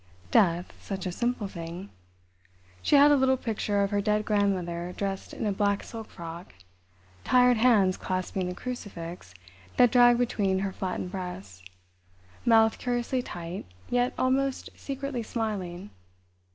Death—such a simple thing. She had a little picture of her dead grandmother dressed in a black silk frock, tired hands clasping the crucifix that dragged between her flattened breasts, mouth curiously tight, yet almost secretly smiling.